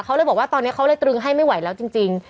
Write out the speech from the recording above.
เขาเลยบอกว่าตอนนี้เขาเลยตรึงให้ไม่ไหวแล้วจริง